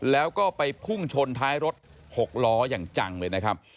แล้วก็ไปพุ่งชนท้ายรถหกล้ออย่างจังเลยนะครับ